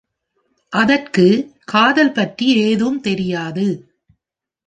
அதற்கு காதல் பற்றி ஏதும் தெரியாது.